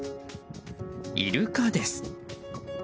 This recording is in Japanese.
イルカです。